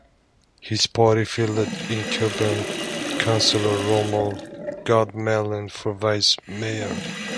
His party fielded incumbent Councilor Rommel Gudmalin for Vice Mayor.